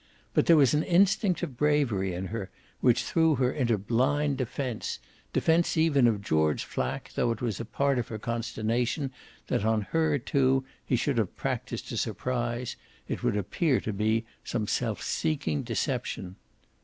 But there was an instinct of bravery in her which threw her into blind defence, defence even of George Flack, though it was a part of her consternation that on her too he should have practised a surprise it would appear to be some self seeking deception.